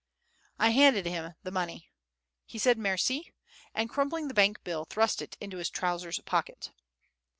I handed him the money. He said "Merci," and, crumpling the bank bill, thrust it into his trousers pocket.